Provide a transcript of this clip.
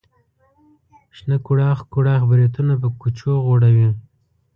شنه کوړاخ کوړاخ بریتونه په کوچو غوړوي.